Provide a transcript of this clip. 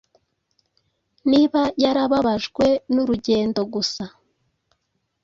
Niba yarababajwen urugendo-gusa